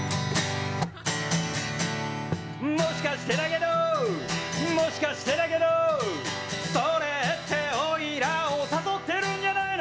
もしかしてだけど、もしかしてだけど、それっておいらを誘ってるんじゃないの。